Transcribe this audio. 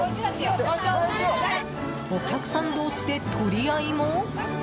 お客さん同士で取り合いも？